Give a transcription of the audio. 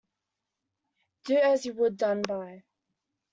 Do as you would be done by.